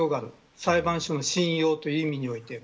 裁判所の信用という意味においては。